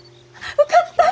受かった！